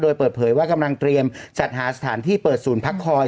โดยเปิดเผยว่ากำลังเตรียมจัดหาสถานที่เปิดศูนย์พักคอย